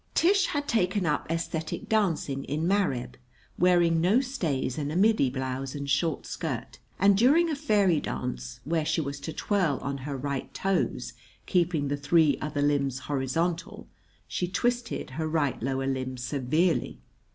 Tish had taken up æsthetic dancing in Mareb, wearing no stays and a middy blouse and short skirt; and during a fairy dance, where she was to twirl on her right toes, keeping the three other limbs horizontal, she twisted her right lower limb severely.